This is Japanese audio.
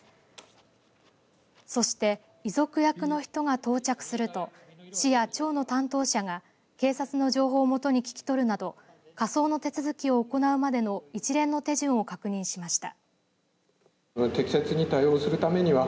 そして、遺族役の人が到着すると市や町の担当者が警察の情報をもとに聞き取るなど火葬の手続きを行うまでの一連の手順を確認しました。